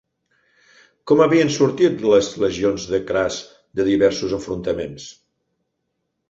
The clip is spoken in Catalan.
Com havien sortit les legions de Cras de diversos enfrontaments?